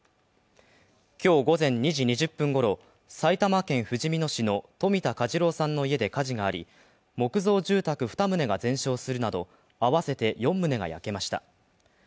今日午前２時２０分ごろ、埼玉県ふじみ野市の冨田嘉次郎さんの家で火事があり、木造住宅２棟が全焼するなど合わせて４棟が焼けました。